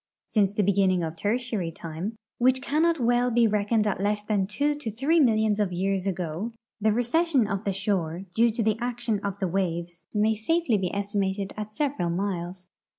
Since the beginning of Tertiary time, Avhich cannot Avell THE ECONOMIC ASPECTS OF SOIL EROSION 333 be reckoned at less than two to three millions of years ago, the recession of the shore, due to the action of the waves, may safely be estimated at several miles.